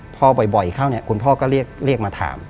พอบ่อยเข้าเนี่ยคุณพ่อก็เรียกมาถาม